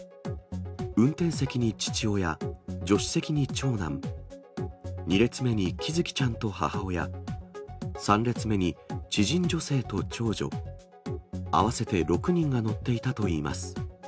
運転席に父親、助手席に長男、２列目に喜寿生ちゃんと母親、３列目に知人女性と長女、合わせて６人が乗っていたといいます。